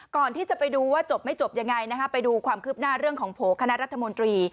ไปดูว่าจบไม่จบยังไงนะคะไปดูความคืบหน้าเรื่องของโผล่คณะรัฐมนตรี